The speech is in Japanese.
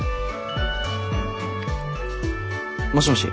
もしもし。